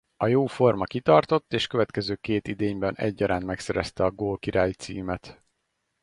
A jó forma kitartott és következő két idényben egyaránt megszerezte a gólkirályi címet.